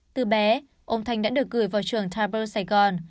từ bé ông thanh đã được gửi vào trường tabor sài gòn